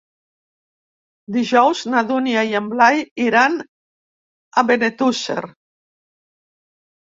Dijous na Dúnia i en Blai iran a Benetússer.